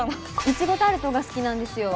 イチゴタルトが好きなんですよ。